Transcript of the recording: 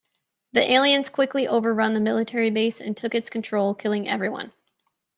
The aliens quickly overrun the military base and took its control killing everyone.